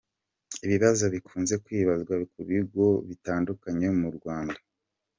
Ibibazo bikunze kwibazwa kubigo bitandunye m’u rwanda